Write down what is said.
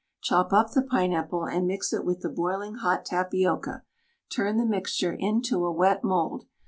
Chop up the pineapple and mix it with the boiling hot tapioca; turn the mixture into a wet mould.